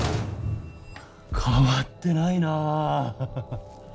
変わってないなあ